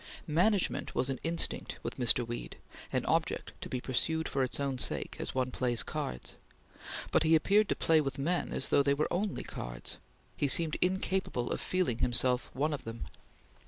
Management was an instinct with Mr. Weed; an object to be pursued for its own sake, as one plays cards; but he appeared to play with men as though they were only cards; he seemed incapable of feeling himself one of them.